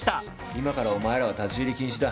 今からお前らは立ち入り禁止だ。